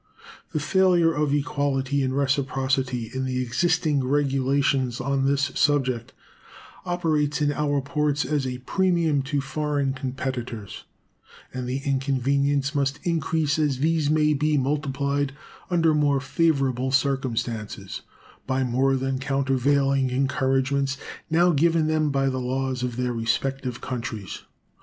The failure of equality and reciprocity in the existing regulations on this subject operates in our ports as a premium to foreign competitors, and the inconvenience must increase as these may be multiplied under more favorable circumstances by the more than countervailing encouragements now given them by the laws of their respective countries.